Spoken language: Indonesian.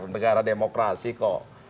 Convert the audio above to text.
negara demokrasi kok